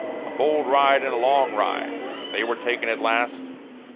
A bold ride and a long ride! But they were taken at last.